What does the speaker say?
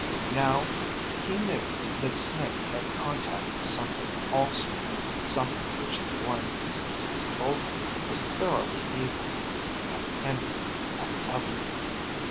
Now, he knew that Snake had contacted something also, something which the blind priestesses told him was thoroughly evil, an enemy, a devil.